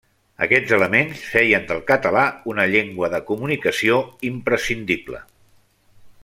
Aquests elements feien del català una llengua de comunicació imprescindible.